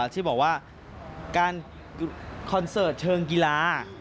ที่บอกว่าการคอนเสิร์ตเชิงกีฬา